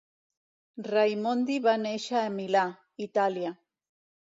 Raimondi va néixer a Milà, Itàlia.